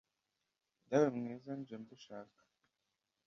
Dawe mwiza nje mbishaka